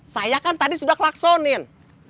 saya kan tadi sudah klaksonin